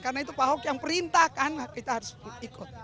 karena itu ahok yang perintahkan kita harus ikut